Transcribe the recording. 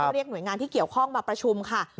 เรียกหน่วยงานที่เกี่ยวข้องมาประชุมค่ะ